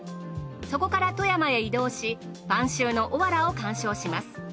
そこから富山へ移動し晩秋のおわらを鑑賞します。